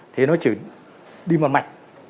thì nó chỉ đi một mạch